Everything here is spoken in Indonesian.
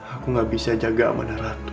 aku tidak bisa jaga amanah ratu